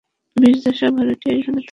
মির্জার সব ভাড়াটিয়া, এইখানে থাকে।